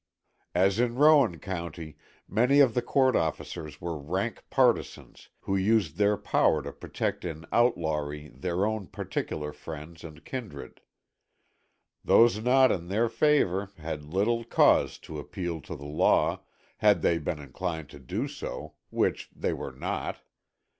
As in Rowan County, many of the court officers were rank partisans, who used their power to protect in outlawry their own particular friends and kindred. Those not in their favor had little cause to appeal to the law, had they been inclined to do so, which they were not.